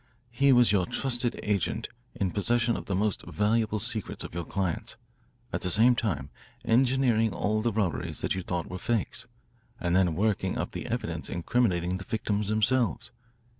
He was your trusted agent in possession of the most valuable secrets of your clients, at the same time engineering all the robberies that you thought were fakes, and then working up the evidence incriminating the victims themselves.